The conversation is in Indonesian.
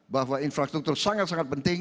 bahwa infrastruktur sangat sangat penting